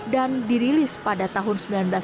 dan dirilis pada tahun seribu sembilan ratus enam puluh dua